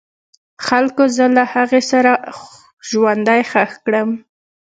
خلکو زه له هغې سره ژوندی خښ کړم.